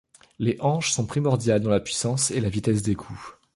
Les hanches sont primordiales dans la puissance et la vitesse des coups.